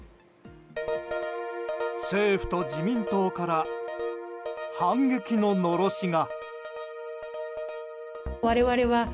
政府と自民党から反撃ののろしが。